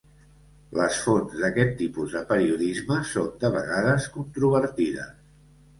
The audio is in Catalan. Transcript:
Les fonts d'aquest tipus de periodisme són de vegades controvertides.